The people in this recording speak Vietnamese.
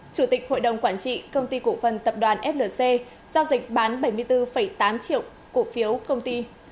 chủ tịch hội đồng quản trị công ty cổ phần tập đoàn flc giao dịch bán bảy mươi bốn tám triệu cổ phiếu công ty